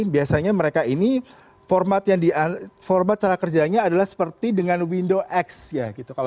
biasanya mereka ini format cara kerjanya adalah seperti dengan windows x